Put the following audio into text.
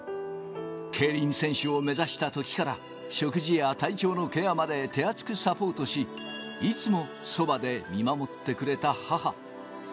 競輪選手を目指した時から食事や体調のケアまで手厚くサポートし、いつもそばで見守ってくれた母。